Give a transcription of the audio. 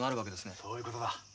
そういうことだ。